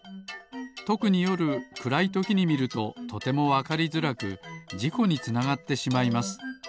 とくによるくらいときにみるととてもわかりづらくじこにつながってしまいます。